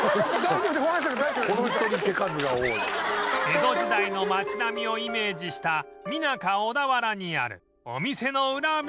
江戸時代の町並みをイメージしたミナカ小田原にあるお店のウラ名物